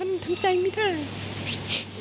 ไม่ตั้งใจครับ